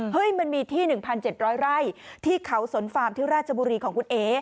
มันมีที่๑๗๐๐ไร่ที่เขาสนฟาร์มที่ราชบุรีของคุณเอ๋